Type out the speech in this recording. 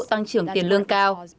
tốc độ tăng trưởng tiền lương cao